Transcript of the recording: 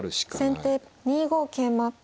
先手２五桂馬。